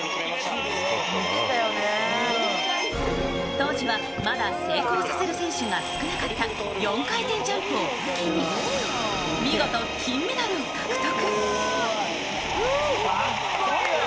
当時はまだ成功させる選手が少なかった４回転ジャンプを武器に見事金メダルを獲得。